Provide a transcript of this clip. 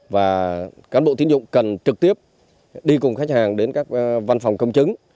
và cán bộ tiến dụng cần trực tiếp đi cùng khách hàng đến các văn phòng công chứng